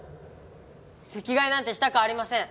席替えなんてしたくありません！